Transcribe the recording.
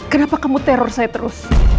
kenapa kamu teror saya terus